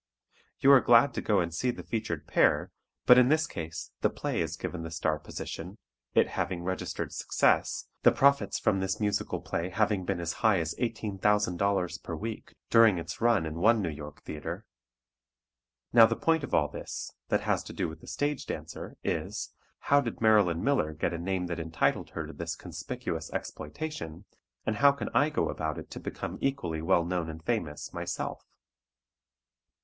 You are glad to go and see the featured pair, but in this case the play is given the star position, it having registered success, the profits from this musical play having been as high as $18,000.00 per week during its run in one New York theatre. Now the point of all this, that has to do with the stage dancer, is, "How did Marilyn Miller get a name that entitled her to this conspicuous exploitation, and how can I go about it to become equally well known and famous, myself?"